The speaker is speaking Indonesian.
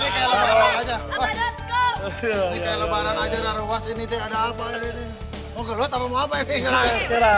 mau gelut mau apa ini